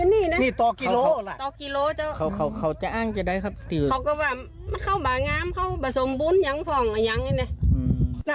นี่ต่อกิโลกรัมละเขาก็บอกว่าเขาไม่ได้สมบุญอย่างนี้